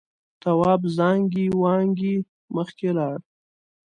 تواب زانگې وانگې مخکې لاړ.